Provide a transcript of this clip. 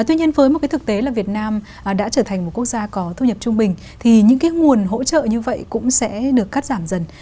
tuy nhiên với một cái thực tế là việt nam đã trở thành một quốc gia có thu nhập trung bình thì những cái nguồn hỗ trợ như vậy cũng sẽ được cắt giảm dần